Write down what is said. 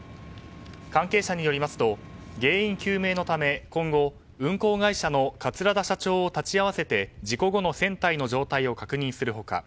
関係者によりますと原因究明のため今後、運航会社の桂田社長を立ち会わせて事故後の船体の状態を確認する他